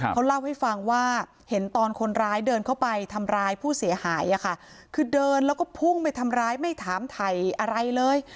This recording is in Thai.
เขาเล่าให้ฟังว่าเห็นตอนคนร้ายเดินเข้าไปทำร้ายผู้เสียหายอะค่ะคือเดินแล้วก็พุ่งไปทำร้ายไม่ถามถ่ายอะไรเลย